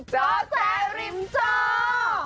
เจ้าแสริมเจ้า